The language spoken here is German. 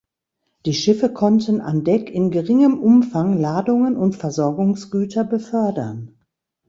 Die Schiffe konnten an Deck in geringem Umfang Ladungen und Versorgungsgüter befördern.